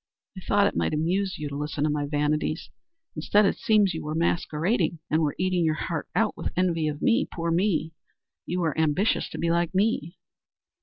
I thought it might amuse you to listen to my vanities. Instead, it seems you were masquerading and were eating your heart out with envy of me poor me. You were ambitious to be like me."